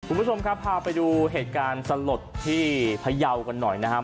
คุณผู้ชมครับพาไปดูเหตุการณ์สลดที่พยาวกันหน่อยนะครับ